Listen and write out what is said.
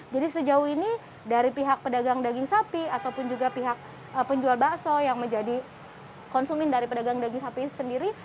jadi sejauh ini dari pihak pedagang daging sapi ataupun juga pihak penjual bakso yang menjadi konsumen dari pedagang daging sapi sendiri